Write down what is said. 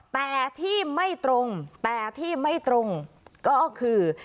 แต่ที่ไม่ตรงแต่ที่ไม่ตรงก็คือ